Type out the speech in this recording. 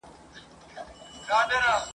تل به نه وي زموږ په مېنه د تیارې ابۍ شریکه ..